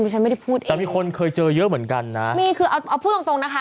ฉันไม่ได้พูดเองแต่มีคนเคยเจอเยอะเหมือนกันนะมีคือเอาเอาพูดตรงตรงนะคะ